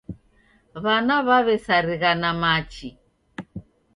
W'ana w'aw'esarigha na machi.